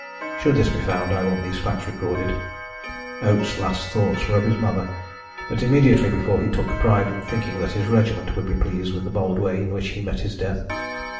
"Should this be found I want these facts recorded. Oates' last thoughts were of his mother, but immediately before he took pride in thinking that his regiment would be pleased with the bold way in which he met his death.